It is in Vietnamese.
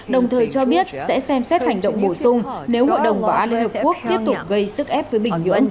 đồng thời cho biết sẽ xem xét hành động bổ sung nếu hội đồng bảo an liên hợp quốc tiếp tục gây sức ép với bình nhưỡng